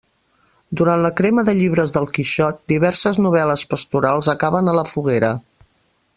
Durant la crema de llibres del Quixot, diverses novel·les pastorals acaben a la foguera.